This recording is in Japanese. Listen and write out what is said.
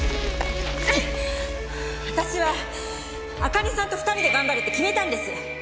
私は朱音さんと２人で頑張るって決めたんです！